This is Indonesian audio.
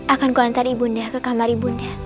akan kuantar ibunda ke kamar ibunda